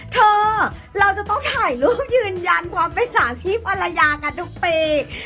เธอเราจะต้องถ่ายรูปยืนยันความเป็นสาธิตภรรยากันทุกปี